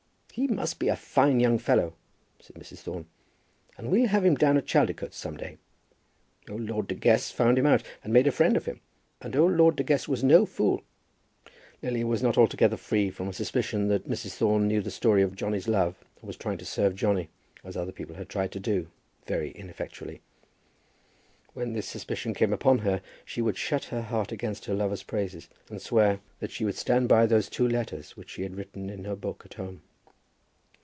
"He must be a fine young fellow," said Mrs. Thorne, "and we'll have him down at Chaldicotes some day. Old Lord De Guest found him out and made a friend of him, and old Lord De Guest was no fool." Lily was not altogether free from a suspicion that Mrs. Thorne knew the story of Johnny's love and was trying to serve Johnny, as other people had tried to do, very ineffectually. When this suspicion came upon her she would shut her heart against her lover's praises, and swear that she would stand by those two letters which she had written in her book at home.